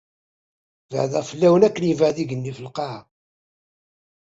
Beɛdeɣ fell-awen akken yebɛed igenni ɣef lqaɛa.